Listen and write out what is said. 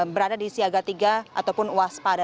berada di siaga tiga ataupun waspada